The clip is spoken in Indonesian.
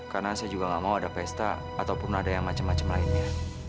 karena saya juga nggak mau ada pesta ataupun ada yang macam macam lainnya